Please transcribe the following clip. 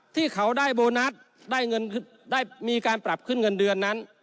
ที่เขาได้โบนัสได้เงินได้มีการปรับขึ้นเงินเดือนนั้น